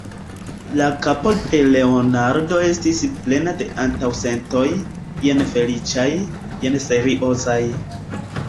La kapo de Leonardo estis plena de antaŭsentoj, jen feliĉaj, jen seriozaj.